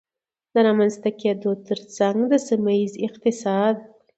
د رامنځته کېدو ترڅنګ د سيمهييز اقتصاد